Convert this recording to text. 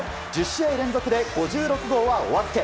１０試合連続で５６号はお預け。